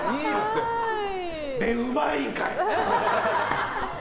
それで、うまいんかい！